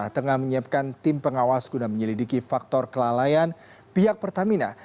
tengah menyiapkan tim pengawas guna menyelidiki faktor kelalaian pihak pertamina